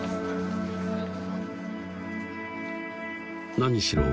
何しろ